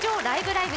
ライブ！」